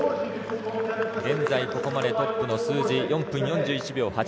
現在ここまでトップの数字６分４１秒８０